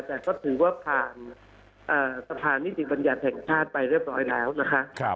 แต่ก็ถือว่าผ่านสะพานนิติบัญญัติแห่งชาติไปเรียบร้อยแล้วนะคะ